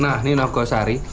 nah ini noh goh sari